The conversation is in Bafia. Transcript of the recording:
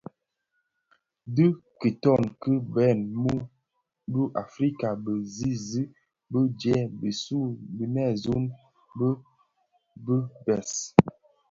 Dhi kitoň ki bhan mu u Africa Bizizig bii dhi binèsun bii bi bès.